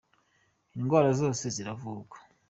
indwara zose ziravurwa.